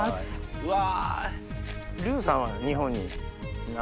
うわ！